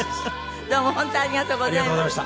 どうも本当ありがとうございました。